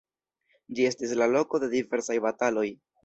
Ĝi estis la loko de diversaj bataloj.